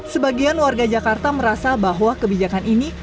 sebagian warga jakarta merasa bahwa kebijakan ini